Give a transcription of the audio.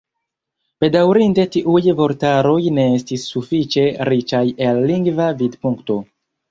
Bedaŭrinde tiuj vortaroj ne estis sufiĉe riĉaj el lingva vidpunkto.